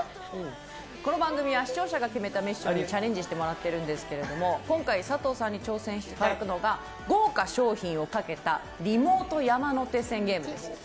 この番組は視聴者が決めたミッションにチャレンジしていただくんですけど今回佐藤さんに挑戦していただくのが豪華賞品をかけたリモート山手線ゲームです。